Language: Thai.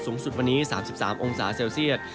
สูงสุดวันนี้๓๓องศาเซลเซียต